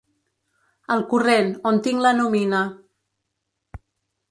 El corrent, on tinc la nomina.